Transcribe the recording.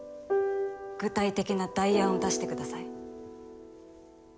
具体的な代案を出してください。